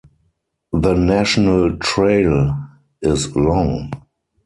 The National Trail is long.